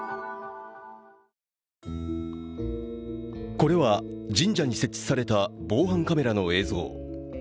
これは神社に設置された防犯カメラの映像。